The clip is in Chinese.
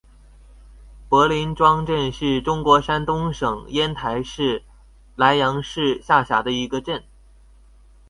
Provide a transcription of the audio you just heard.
柏林庄镇是中国山东省烟台市莱阳市下辖的一个镇。